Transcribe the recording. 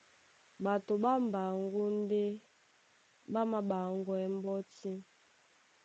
Ɓato ɓá mbaŋgó ndé ɓá māɓaŋgwɛɛ́ mbɔ́tí.